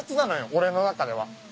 俺の中では。